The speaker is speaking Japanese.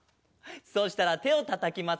そしたらてをたたきますよ。